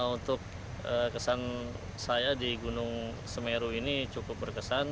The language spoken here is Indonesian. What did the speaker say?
untuk kesan saya di gunung semeru ini cukup berkesan